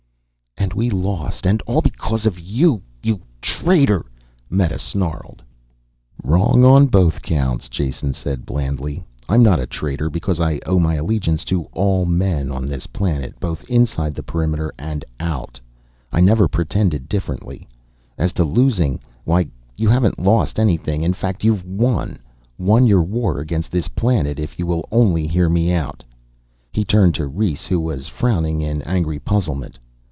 "And we lost and all because of you ... you traitor!" Meta snarled. "Wrong on both counts," Jason said blandly. "I'm not a traitor because I owe my allegiance to all men on this planet, both inside the perimeter and out. I never pretended differently. As to losing why you haven't lost anything. In fact you've won. Won your war against this planet, if you will only hear me out." He turned to Rhes, who was frowning in angry puzzlement.